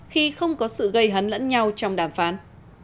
khi không có sự gây hấn lẫn nhau trong đàm phán